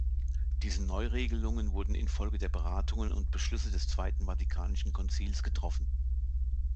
Diese Neuregelungen wurden infolge der Beratungen und Beschlüsse des Zweiten Vatikanischen Konzils getroffen.